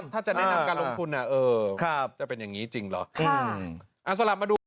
ถ้าจะแนะนำการลงทุนจะเป็นอย่างนี้จริงเหรอ